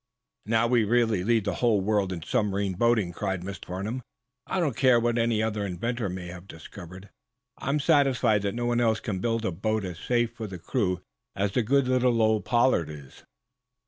"Now, we really lead the whole world in submarine boating," cried Mr. Farnum, hoarsely. "I don't care what any other inventor may have discovered, I'm satisfied that no one else can a boat as safe for the crew as the good little old 'Pollard' is!"